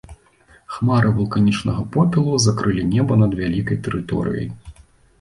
Хмары вулканічнага попелу закрылі неба над вялікай тэрыторыяй.